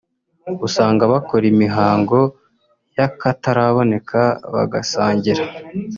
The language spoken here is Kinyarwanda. usanga bakora imihango y’akataraboneka bagasangira